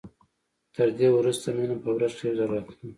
تر دې وروسته مينه په ورځ کښې يو ځل راتله.